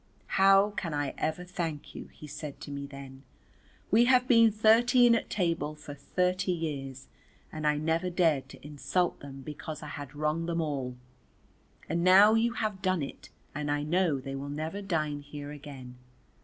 "How can I ever thank you?" he said to me then. "We have been thirteen at table for thirty years and I never dared to insult them because I had wronged them all, and now you have done it and I know they will never dine here again."